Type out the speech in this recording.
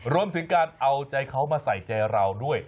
รวมถึงการเอาใจเขามาใส่ใจเราด้วย